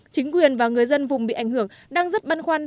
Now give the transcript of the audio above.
chính quyền và người dân vùng bị ảnh hưởng đang rất băn khoăn